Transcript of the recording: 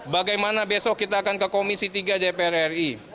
bagaimana besok kita akan ke komisi tiga dpr ri